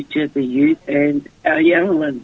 para perempuan dan para perempuan